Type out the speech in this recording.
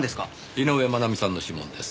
井上真奈美さんの指紋です。